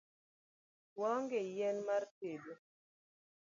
Waonge yien mar tedo